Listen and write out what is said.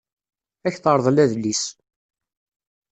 Ad ak-terḍel adlis.